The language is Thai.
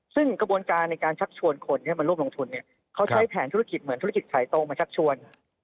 ซึ่งกระบวนการในการชักชวนคนมาร่วมลงทุนเขาใช้แผนธุรกิจเหมือนธุรกิจขายตรงมาชักชวน